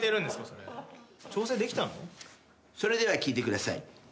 それでは聴いてください。